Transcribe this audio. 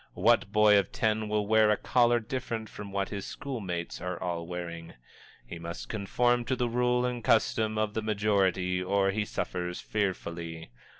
What boy of ten will wear a collar different from what his school mates are all wearing? He must conform to the rule and custom of the majority or he suffers fearfully.